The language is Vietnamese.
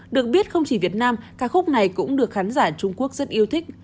được biết không chỉ việt nam ca khúc này cũng được khán giả trung quốc rất yêu thích